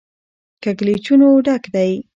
کږلېچونو ډک دی.